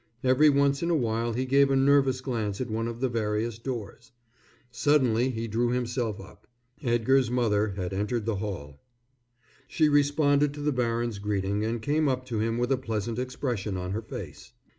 Every once in a while he gave a nervous glance at one of the various doors. Suddenly he drew himself up. Edgar's mother had entered the hall. She responded to the baron's greeting and came up to him with a pleasant expression on her face.